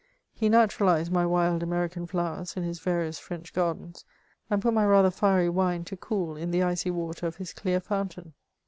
He naturalised my wild American flowers in his various French gardens, and put my rather fiery wine to cool in the icy water of his clear fountain.